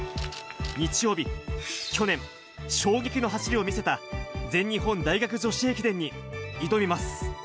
日曜日、去年、衝撃の走りを見せた全日本大学女子駅伝に挑みます。